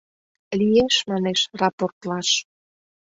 — Лиеш, манеш, рапортлаш.